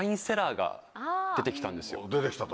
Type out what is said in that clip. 出てきたと。